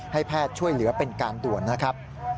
ให้แพทย์ช่วยเหลือเป็นการด่วนนะครับ